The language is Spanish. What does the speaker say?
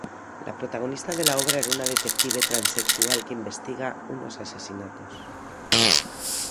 La protagonista de la obra era una detective transexual que investiga unos asesinatos.